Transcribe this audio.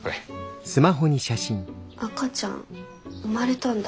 赤ちゃん生まれたんだ。